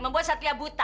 membuat satria buta